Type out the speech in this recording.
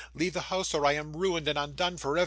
'Leave the house, or I am ruined and undone for ever.